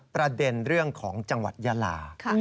ประเด็นเรื่องของจังหวัดยาลา